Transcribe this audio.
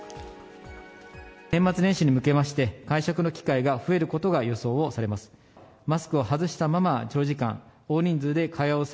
年末年始に向けまして、会食の機会が増えることが予想されます。